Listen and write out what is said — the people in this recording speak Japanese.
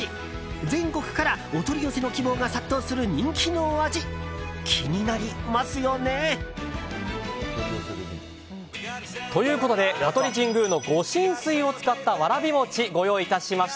全国からお取り寄せの希望が殺到する人気のお味気になりますよね。ということで香取神宮の御神水を使ったわらび餅ご用意いたしました。